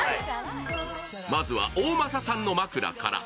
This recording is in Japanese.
まずは大政さんの枕から。